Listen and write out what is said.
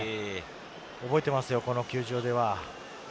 覚えていますよ、この球場では。